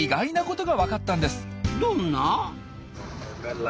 どんな？